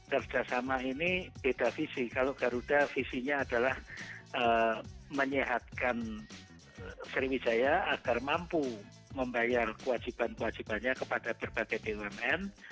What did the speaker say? kerjasama ini beda visi kalau garuda visinya adalah menyehatkan sriwijaya agar mampu membayar kewajiban kewajibannya kepada berbagai bumn